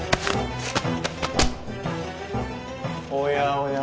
おやおや？